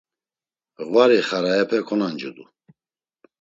Ğvari xaraepe konancudu.